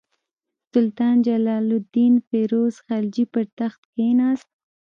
سلطان جلال الدین فیروز خلجي پر تخت کښېناست.